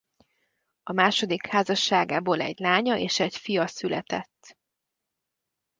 A második házasságából egy lánya és egy fia született.